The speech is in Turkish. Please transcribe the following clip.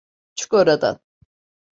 Çık oradan.